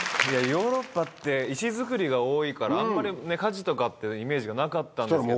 ヨーロッパって石造りが多いからあんまり火事とかってイメージがなかったんですけど。